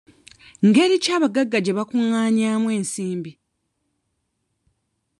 Ngeri ki abagagga gye bakungaanyaamu ensimbi?